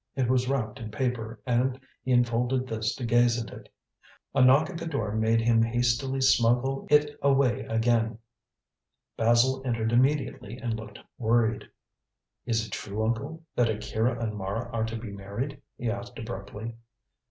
It was wrapped in paper, and he unfolded this to gaze at it. A knock at the door made him hastily smuggle it away again. Basil entered immediately and looked worried. "Is it true, uncle, that Akira and Mara are to be married?" he asked abruptly.